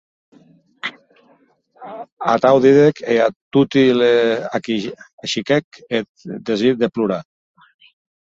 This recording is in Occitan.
Atau didec, e a toti les ahisquèc eth desir de plorar.